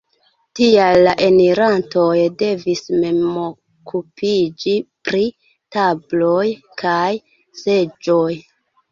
Tial la enirantoj devis mem okupiĝi pri tabloj kaj seĝoj.